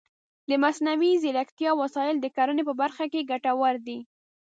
د مصنوعي ځیرکتیا وسایل د کرنې په برخه کې ګټور دي.